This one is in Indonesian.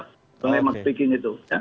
memang pikir itu